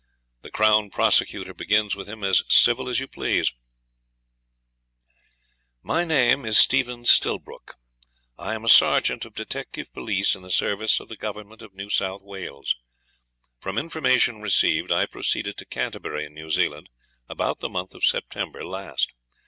The Crown Prosecutor begins with him as civil as you please. 'My name is Stephen Stillbrook. I am a sergeant of detective police in the service of the Government of New South Wales. From information received, I proceeded to Canterbury, in New Zealand, about the month of September last.